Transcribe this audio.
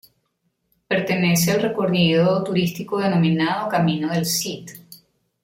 Pertenece al recorrido turístico denominado Camino del Cid.